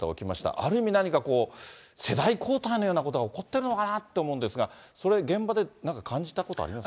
ある意味、何かこう、世代交代のようなことが起こっているのかなと思うんですが、それ、現場でなんか感じたことあります？